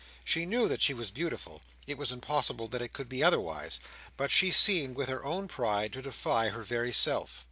She knew that she was beautiful: it was impossible that it could be otherwise: but she seemed with her own pride to defy her very self.